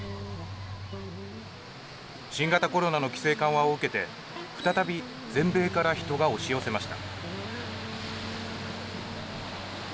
新型コロナの規制緩和を受けて再び全米から人が押し寄せました。